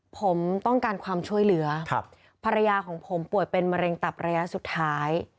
ผมต้องการความช่วยเหลือภรรยาของผมป่วยเป็นมะเร็งตับระยะสุดท้าย